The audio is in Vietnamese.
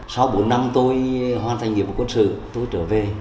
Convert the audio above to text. sau bốn năm tôi hoàn thành nghiệp quân sự tôi trở về